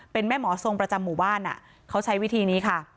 เป็นแม่หมอทรงประจำหมู่บ้านเขาใช้วิธีนี้ค่ะ